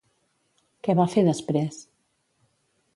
Què va fer després?